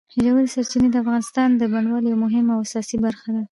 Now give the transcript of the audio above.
ژورې سرچینې د افغانستان د بڼوالۍ یوه مهمه او اساسي برخه ده.